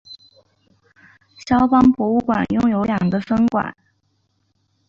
萧邦博物馆拥有两个分馆。